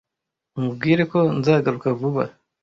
umubwire ko nzagaruka vuba.